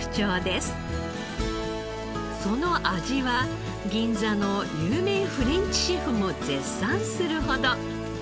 その味は銀座の有名フレンチシェフも絶賛するほど。